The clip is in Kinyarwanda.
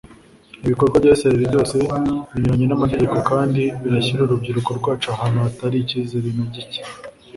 Ibi bikorwa bya Israel byose binyuranye n’amategeko kandi birashyira urubyiruko rwacu ahantu hatari icyizere na gicye